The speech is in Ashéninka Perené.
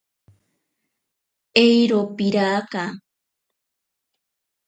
Eiro piraka.